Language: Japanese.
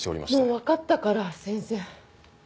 もう分かったから先生。